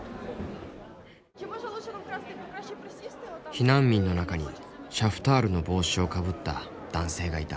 避難民の中にシャフタールの帽子をかぶった男性がいた。